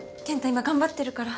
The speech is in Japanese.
今頑張ってるから。